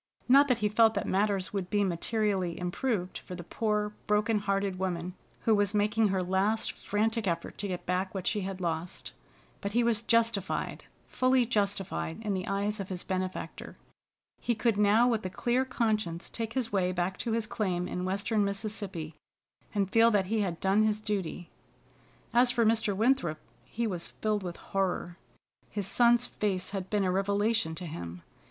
Not that he felt that matters would be materially improved for the poor broken hearted woman who was making her last frantic effort to get back what she had lost. But he was justified, fully justified, in the eyes of his benefactor. He could now with a clear conscience take his way back to his claim in western Mississippi, and feel that he had done his duty. As for Mr. Winthrop, he was filled with horror. His son's face had been a revelation to him.